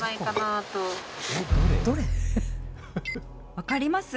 分かります？